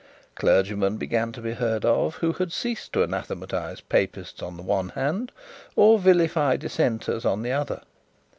Clergymen began to be heard of who had ceased to anathematise papists on the one hand, or vilify dissenters on the other.